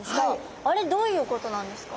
あれどういうことなんですか？